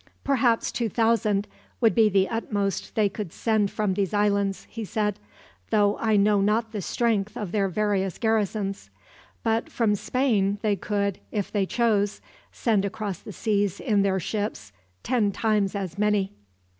"Perhaps two thousand would be the utmost they could send from these islands," he said; "though I know not the strength of their various garrisons. But from Spain they could, if they chose, send across the seas in their ships ten times as many."